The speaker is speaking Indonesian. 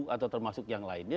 atau termasuk yang lainnya